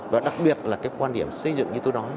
và đặc biệt là cái quan điểm xây dựng như tôi nói